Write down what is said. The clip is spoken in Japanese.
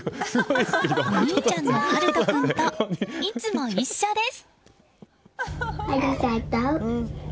お兄ちゃんの春翔君といつも一緒です。